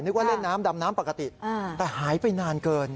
ว่าเล่นน้ำดำน้ำปกติแต่หายไปนานเกิน